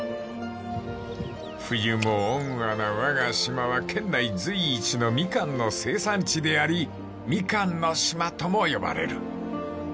［冬も温和なわが島は県内随一のみかんの生産地であり「みかんの島」とも呼ばれる］